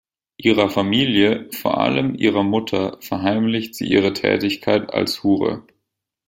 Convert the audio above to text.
Ihrer Familie, vor allem ihrer Mutter, verheimlicht sie ihre Tätigkeit als Hure.